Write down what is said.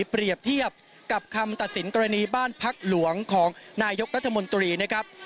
เปรียบเทียบกับคำตัดสินกรณีบ้านพักหลวงของนายกรัฐมนตรีนะครับ